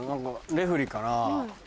レフェリーかな？